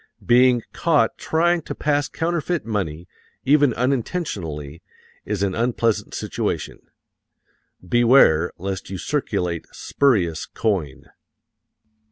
Being caught trying to pass counterfeit money, even unintentionally, is an unpleasant situation. Beware lest you circulate spurious coin.